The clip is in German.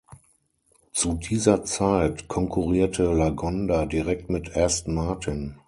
Zu dieser Zeit konkurrierte Lagonda direkt mit Aston Martin.